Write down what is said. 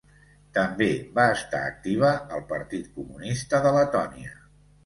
També va estar activa al Partit Comunista de Letònia.